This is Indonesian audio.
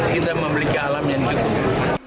kita memiliki alam yang cukup